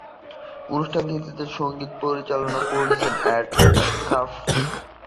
অনুষ্ঠানটির সঙ্গীত পরিচালনা করেছেন এড কালেহফ।